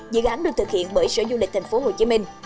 dự án được thực hiện bởi sở du lịch tp hcm